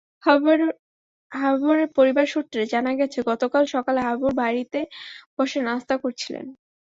হবিবুরের পরিবার সূত্রে জানা গেছে, গতকাল সকালে হবিবুর বাড়িতে বসে নাশতা করছিলেন।